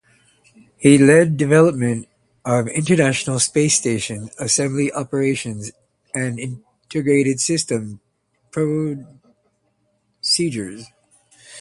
Hill led development of International Space Station assembly operations and integrated systems procedures.